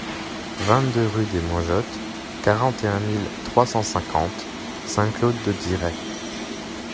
vingt-deux rue des Mangottes, quarante et un mille trois cent cinquante Saint-Claude-de-Diray